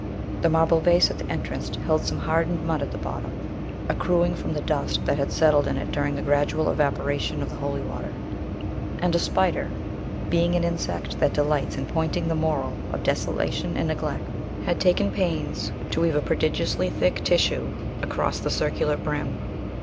The marble vase at the entrance held some hardened mud at the bottom, accruing from the dust that had settled in it during the gradual evaporation of the holy water; and a spider (being an insect that delights in pointing the moral of desolation and neglect) had taken pains to weave a prodigiously thick tissue across the circular brim.